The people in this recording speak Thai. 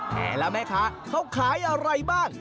แห่แล้วแม่ค้าเขาขายอะไรบ้าง